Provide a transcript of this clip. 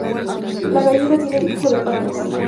La galleta tiene dibujos de pandas